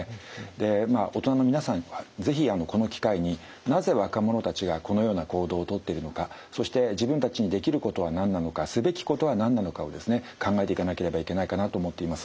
でまあ大人の皆さんには是非この機会になぜ若者たちがこのような行動を取ってるのかそして自分たちにできることは何なのかすべきことは何なのかをですね考えていかなければいけないかなあと思っています。